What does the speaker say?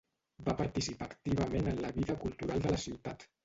Va participar activament en la vida cultural de la ciutat.